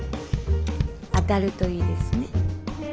当たるといいですね。